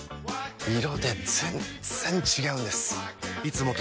色で全然違うんです！